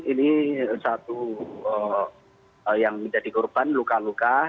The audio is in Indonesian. ini satu yang menjadi korban luka luka